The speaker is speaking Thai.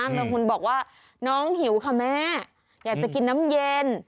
บางคนบอกว่าน้องหิวค่ะแม่อยากจะกินน้ำเย็น